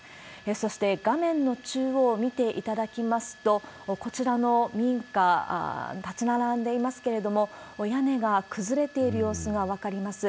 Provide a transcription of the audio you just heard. そして、画面の中央見ていただきますと、こちらの民家、立ち並んでいますけれども、屋根が崩れている様子が分かります。